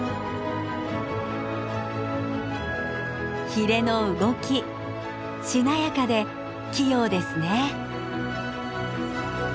ひれの動きしなやかで器用ですね。